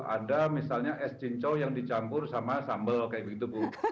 ada misalnya es cincou yang dicampur sama sambal kayak begitu bu